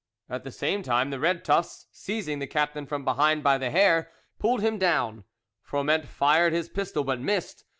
At the same time the red tufts, seizing the captain from behind by the hair, pulled him down. Froment fired his pistol, but missed.